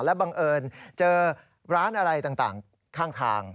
และบังเอิญเจอร้านอะไรต่างข้าง